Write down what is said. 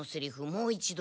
もう一度。